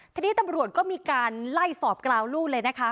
ทีนี้ตำรวจก็มีการไล่สอบกราวลูกเลยนะคะ